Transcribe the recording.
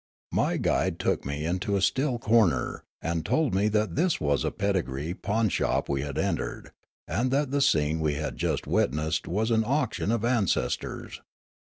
M}' guide took me into a still corner, and told me that this was a pedigree pawn shop we had entered, and that the scene we had just witnessed was an auction of ancestors.